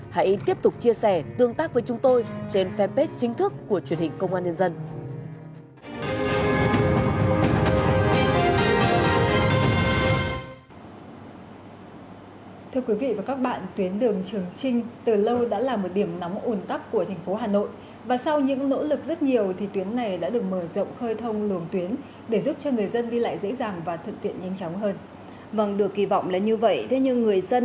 hãy tiếp tục chia sẻ tương tác với chúng tôi trên fanpage chính thức của truyền hình công an nhân dân